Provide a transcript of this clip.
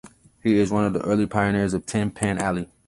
He is one of the early pioneers of Tin Pan Alley.